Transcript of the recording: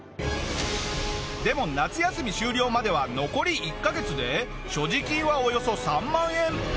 でも夏休み終了までは残り１カ月で所持金はおよそ３万円。